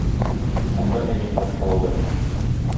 Анда әни каршы алды.